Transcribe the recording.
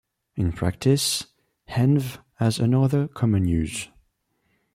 In practice, env has another common use.